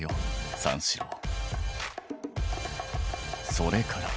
「それから」